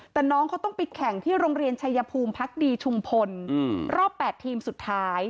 แต่น้องเขาต้องไปแข่งที่โรงเรียนชายภูมิพักดีชุมพลรอบ๘ทีมสุดท้าย